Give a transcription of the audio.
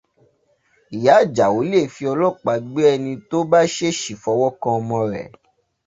Ìyá Àjàó lè fi ọlọ́pàá gbé ẹni tó bá ṣèèṣì fọwọ́ kan ọmọ rẹ̀.